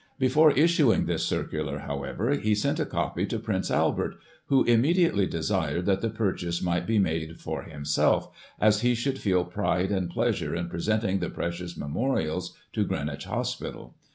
Before issuing this circular, however, he sent a copy to Prince Albert, who immediately desired that the purchase might be made for himself, as he should feel * pride and pleasure ' in presenting the precious memorials to Greenwich Hospital.